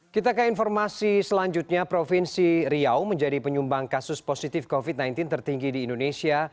kita ke informasi selanjutnya provinsi riau menjadi penyumbang kasus positif covid sembilan belas tertinggi di indonesia